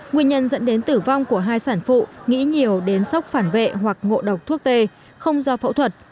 nguyên nhân dẫn đến tử vong của hai sản phụ nghĩ nhiều đến sốc phản vệ hoặc ngộ độc thuốc tê không do phẫu thuật